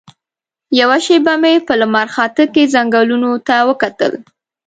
یوه شېبه مې په لمرخاته کې ځنګلونو ته وکتل.